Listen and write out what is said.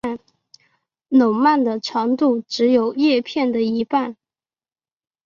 笼蔓的长度只有叶片的一半。